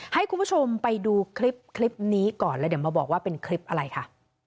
ให้คุณผู้ชมไปดูคลิปนี้ก่อนแล้วเดี๋ยวมาบอกว่าเป็นคลิปอะไรค่ะ